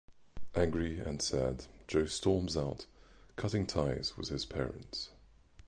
Angry and sad, Joe storms out, cutting ties with his parents.